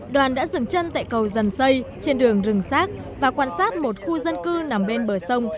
đoàn đã dừng chân tại cầu dần xây trên đường rừng xác và quan sát một khu dân cư nằm bên bờ sông